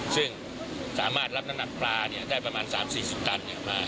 ซึ่งสามารถรับน้ำหนักปลาได้ประมาณ๓๔๐ตันมา